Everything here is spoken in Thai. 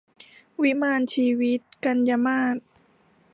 วิมานชีวิต - กันยามาส